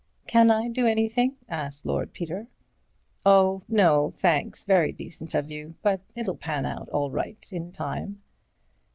"Can I do anything?" asked Lord Peter. "Oh, no, thanks—very decent of you, but it'll pan out all right in time."